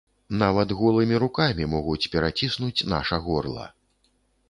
Нават голымі рукамі могуць пераціснуць наша горла.